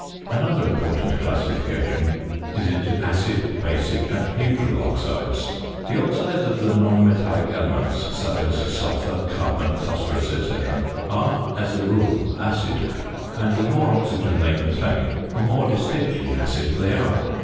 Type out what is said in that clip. Another important classification is into acid, basic and neutral oxides. The oxides of the non metallic elements, such as sulphur, carbon, phosphorus, &c., are, as a rule, acid; and the more oxygen they contain, the more distinctly acid they are.